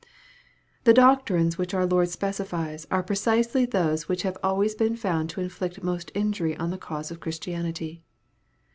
The doctrines which our Lord specifies, are precisely those which have always been found to inflict most injury on the cause of Christianity.